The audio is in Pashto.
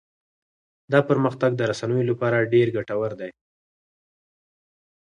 دا پرمختګ د رسنيو لپاره ډېر ګټور دی.